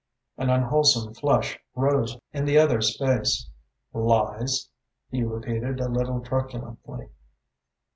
An unwholesome flush rose in the other's face. "Lies?" he repeated, a little truculently.